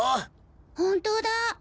本当だ。